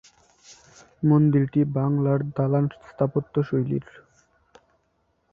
মন্দিরটি বাংলার দালান স্থাপত্যশৈলীর।